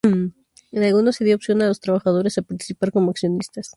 En algunas se dio opción a los trabajadores a participar como accionistas.